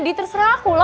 jadi terserah akulah